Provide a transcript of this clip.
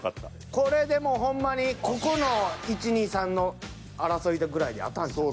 これでもうほんまにここの１２３の争いぐらいで当たるんちゃう？